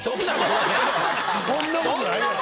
そんなことないがな！